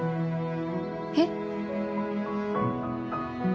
えっ？